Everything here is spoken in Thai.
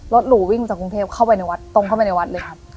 หรูวิ่งจากกรุงเทพเข้าไปในวัดตรงเข้าไปในวัดเลยครับ